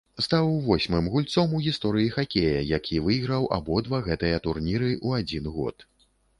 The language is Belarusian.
Стаў восьмым гульцом у гісторыі хакея, які выйграў абодва гэтыя турніры ў адзін год.